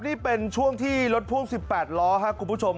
นี่เป็นช่วงที่รถพ่วง๑๘ล้อครับคุณผู้ชม